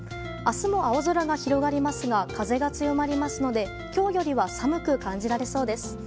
明日も青空が広がりますが風が強まりますので今日よりは寒く感じられそうです。